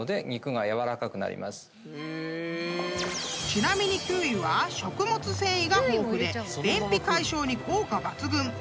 ［ちなみにキウイは食物繊維が豊富で便秘解消に効果抜群！］